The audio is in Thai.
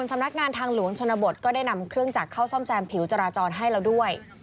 สำนักงานทางหลวงชนบทก็ได้นำเครื่องจักรเข้าซ่อมแซมผิวจราจรให้เราด้วย